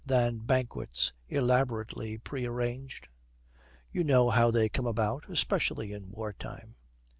than banquets elaborately prearranged. You know how they come about, especially in war time.